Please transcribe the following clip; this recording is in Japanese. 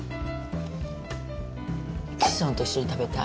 チソンと一緒に食べたい。